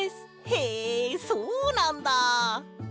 へえそうなんだ！